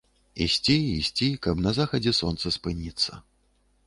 Ісці, ісці, каб на захадзе сонца спыніцца.